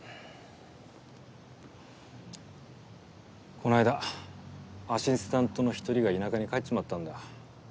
こないだアシスタントの１人が田舎に帰っちまったんだ。